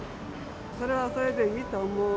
それはそれでいいと思う。